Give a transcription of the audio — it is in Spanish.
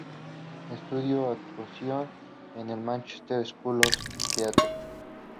Estudió actuación en el Manchester School of Theatre.